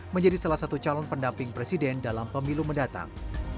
menjadi salah satu calon pendamping presiden dalam pemilu mendatang